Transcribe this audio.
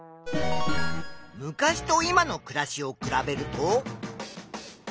昔と今の暮らしを比べると。